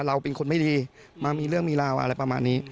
เราเป็นคนไม่ดีมามีเรื่องมีราวอะไรประมาณนี้